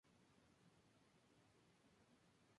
Tras dejar Escocia, probó suerte en diferentes destinos.